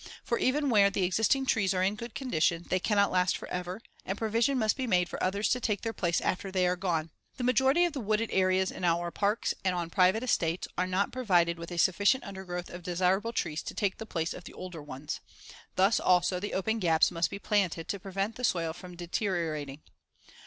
For even where the existing trees are in good condition, they cannot last forever, and provision must be made for others to take their place after they are gone. The majority of the wooded areas in our parks and on private estates are not provided with a sufficient undergrowth of desirable trees to take the place of the older ones. Thus, also, the open gaps must be planted to prevent the soil from deteriorating.